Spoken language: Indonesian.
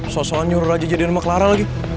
sosoknya nyuruh aja jadian sama clara lagi